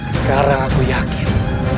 sekarang aku yakin